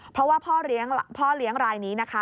เพราะว่าพ่อเลี้ยงรายนี้นะคะ